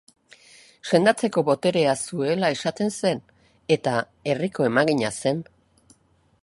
Sendatzeko boterea zuela esaten zen eta herriko emagina zen.